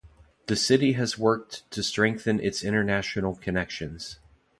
The city has worked to strengthen its international connections.